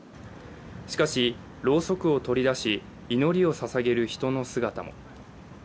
しかし、ろうそくを取り出し祈りをささげる人の姿も。